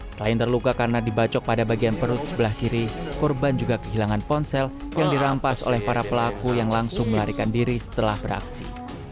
selain terluka karena dibacok pada bagian perut sebelah kiri korban juga kehilangan ponsel yang dirampas oleh para pelaku yang langsung melarikan diri setelah beraksi